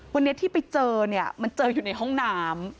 วันนี้ที่ไปเจอเนี่ยมันเจออยู่ในห้องน้ำ